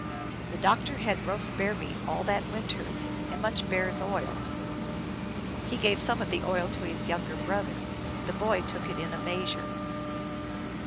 The doctor had roast bear meat all that win ter, and much bear s oil. He gave some of the oil to his younger brother. The boy took it in a measure.